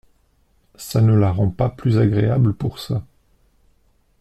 Ça ne la rend pas plus agréable pour ça.